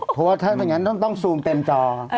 เพราะหากอย่างงั้นต้องซูมเต็มจอ